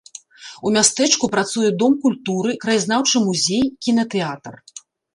У мястэчку працуе дом культуры, краязнаўчы музей, кінатэатр.